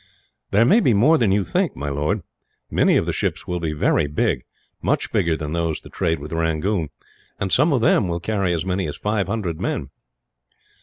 "There may be more than you think, my lord. Many of the ships will be very big, much bigger than those that trade with Rangoon; and some of them will carry as many as five hundred men."